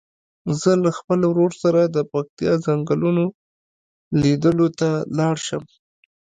زه له خپل ورور سره د پکتیا څنګلونو لیدلو ته لاړ شم.